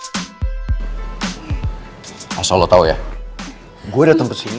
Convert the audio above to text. masya allah tau ya gue datang kesini